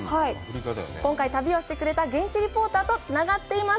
今回旅をしてくれた現地リポーターとつながっています。